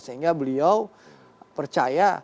sehingga beliau percaya